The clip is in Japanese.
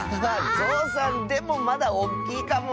ぞうさんでもまだおっきいかもね。